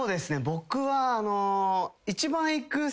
僕は。